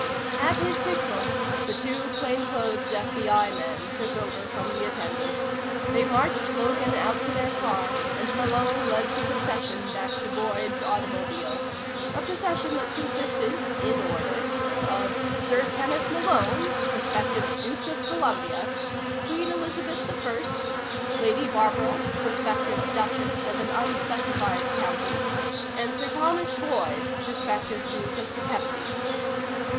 At his signal, the two plainclothes FBI men took over from the attendants. They marched Logan out to their car, and Malone led the procession back to Boyd's automobile, a procession that consisted (in order) of Sir Kenneth Malone, prospective Duke of Columbia, Queen Elizabeth I, Lady Barbara, prospective Duchess of an unspecified county, and Sir Thomas Boyd, prospective Duke of Poughkeepsie.